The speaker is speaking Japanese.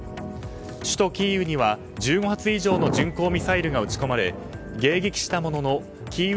首都キーウには１５発以上の巡航ミサイルが撃ち込まれ迎撃したもののキーウ